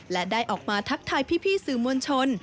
และได้ออกมาทักทายพี่สื่อมวลชน